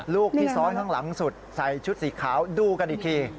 ลูกที่ซ้อนข้างหลังสุดใส่ชุดสีขาวดูกันอีกที